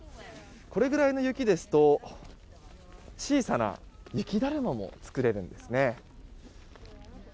これぐらいの雪ですと小さな雪だるまも作れるんですね。